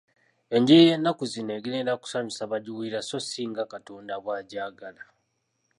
Enjiri y'ennaku zino egenderera kusanyusa bagiwulira so si nga Katonda bw'agyagala.